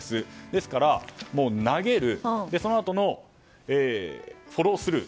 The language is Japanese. ですから投げるそのあとのフォロースルー。